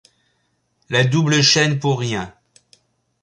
La double chaîne pour rien.